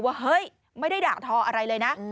ว่าเฮ้ยไม่ได้ด่าทออะไรเลยนะ